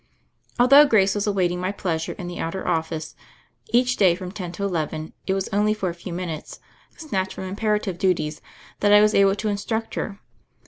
Although Grace was awaiting my pleasure in the outer office each day from ten to eleven, it was only for a few minutes, snatched from imperative duties, that I was able to instruct her.